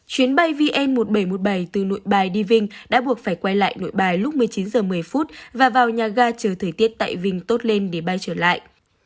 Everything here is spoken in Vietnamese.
chuyến bay vn một nghìn bảy trăm một mươi bảy từ nội bài đi vinh đã buộc phải quay lại nội bài lúc một mươi chín h một mươi và vào nhà ga chờ thời tiết tại vinh tốt lên để bay trở lại